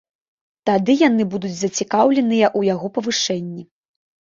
Тады яны будуць зацікаўленыя ў яго павышэнні.